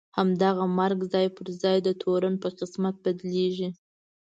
همدغه مرګ ځای پر ځای د تورن په قسمت بدلېږي.